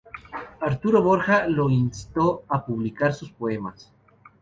Arturo Borja lo instó a publicar sus poemas.